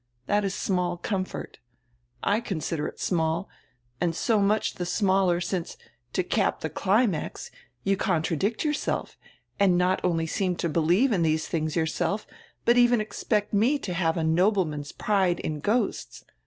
That is small comfort. I consider it small, and so much die smaller, since, to cap die climax, you con tradict yourself, and not only seem to believe in diese things yourself, but even expect me to have a nobleman's pride in ghosts.